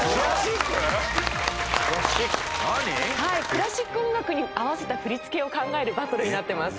クラシック音楽に合わせた振り付けを考えるバトルになってます。